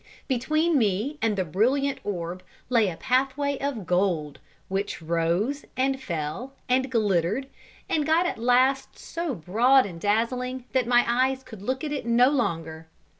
Between me and the brilliant orb lay a pathway of gold, which rose, and fell, and glittered, and got at last so broad and dazzling, that my eyes could look at it no longer.